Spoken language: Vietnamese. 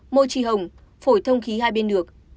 môi trì hồng phổi thông khí hai bên được